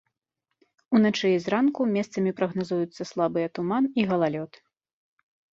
Уначы і зранку месцамі прагназуюцца слабыя туман і галалёд.